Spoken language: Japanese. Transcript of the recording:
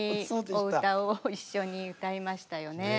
お歌を一緒に歌いましたよね。